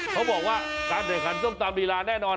เขาบอกว่าการแข่งขันส้มตำลีลาแน่นอน